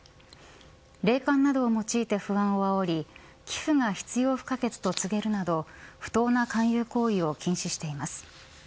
霊感などを用いて不安をあおり寄付が必要不可欠と告げるなど不当な勧誘行為を禁止しています。